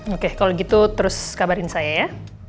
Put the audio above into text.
oke kalau gitu terus kabarin saya ya